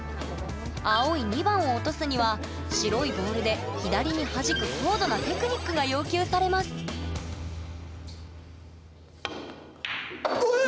青い２番を落とすには白いボールで左に弾く高度なテクニックが要求されますうええ！